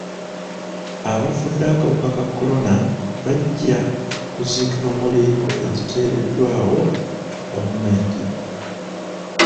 Abafudde akawuka ka kolona bajja kuziikibwa mu limbo eziteereddwawo gavumenti.